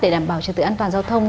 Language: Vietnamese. để đảm bảo trình tự an toàn giao thông